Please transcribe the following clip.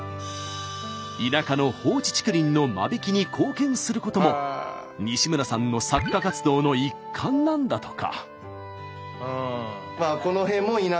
田舎の放置竹林の間引きに貢献することも西村さんの作家活動の一環なんだとか。